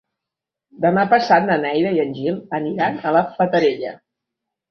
Demà passat na Neida i en Gil aniran a la Fatarella.